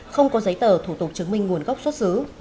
không có giấy tờ thủ tục chứng minh nguồn gốc xuất xứ